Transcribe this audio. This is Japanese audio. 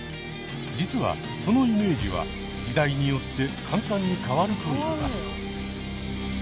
実はそのイメージは時代によって簡単に変わると言います。